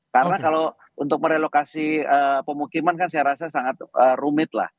karena kalau untuk merelokasi pemukiman kan saya rasa sangat rumit lah